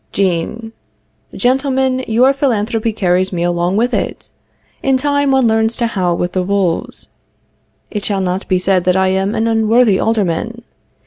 Jean. Gentlemen, your philanthropy carries me along with it. "In time one learns to howl with the wolves." It shall not be said that I am an unworthy Alderman.